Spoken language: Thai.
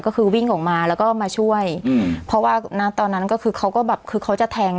ก็คือวิ่งออกมาแล้วก็มาช่วยอืมเพราะว่าณตอนนั้นก็คือเขาก็แบบคือเขาจะแทง